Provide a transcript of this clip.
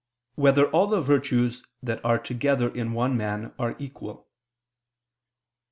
2] Whether All the Virtues That Are Together in One Man, Are Equal?